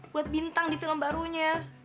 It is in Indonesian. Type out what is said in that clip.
buat bintang di film barunya